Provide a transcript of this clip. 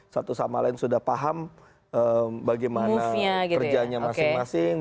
satu sama lain sudah paham bagaimana kerjanya masing masing